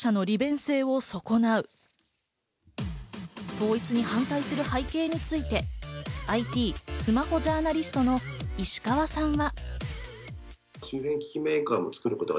統一に反対する背景についてＩＴ・スマホジャーナリストの石川さんは。